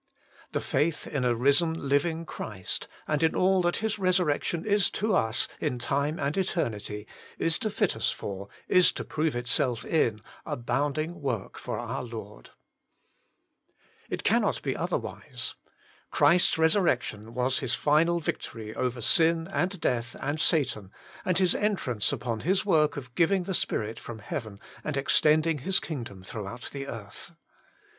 The faith in a risen, living Christ, and in all that His resurrec tion is to us in time and eternity, is to fit us for, is to prove itself in — abounding work for our Lord ! It cannot be otherwise. Christ's resur rection was His final victory over sin, and death, and Satan, and His entrance upon His work of giving the Spirit from heaven and extending His kingdom throughout the earth.